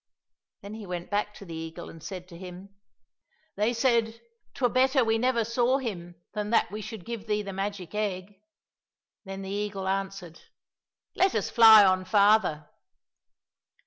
— Then he went back to the eagle and said to him, " They said, ' 'Twere better we never saw him than that we should give thee the magic egg.' "— Then the eagle answered, " Let us fly on farther